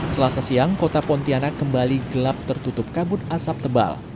selasa siang kota pontianak kembali gelap tertutup kabut asap tebal